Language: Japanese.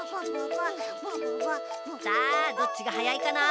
さあどっちがはやいかな？